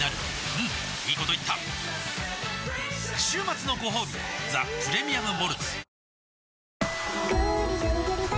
うんいいこと言った週末のごほうび「ザ・プレミアム・モルツ」